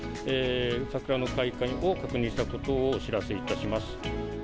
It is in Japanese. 桜の開花を確認したことをお知らせいたします。